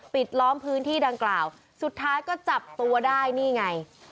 ล้อมพื้นที่ดังกล่าวสุดท้ายก็จับตัวได้นี่ไง